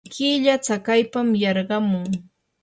killa tsakaypam yarqamun.